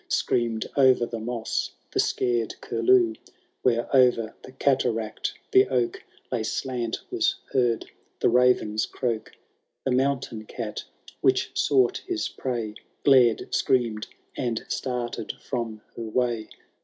Scream^ o^er the moss the scared curlew ; Where o'er the cataract the oak Lay slant, was heard the raven's croak ; The mountaiti cat, which sought his prey Glared, scream'd, and started from her way.